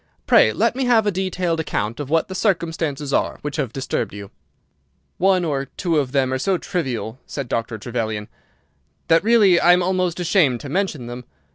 "Pray let me have a detailed account of what the circumstances are which have disturbed you." "One or two of them are so trivial," said Dr. Trevelyan, "that really I am almost ashamed to mention them.